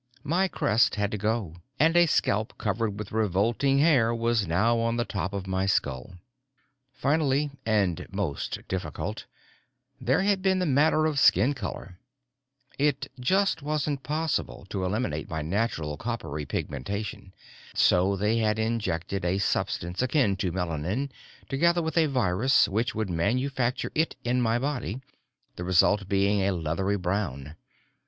My crest had to go and a scalp covered with revolting hair was now on the top of my skull. Finally, and most difficult, there had been the matter of skin color. It just wasn't possible to eliminate my natural coppery pigmentation. So they had injected a substance akin to melanin, together with a virus which would manufacture it in my body, the result being a leathery brown.